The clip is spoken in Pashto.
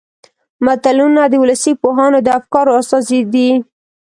متلونه د ولسي پوهانو د افکارو استازي دي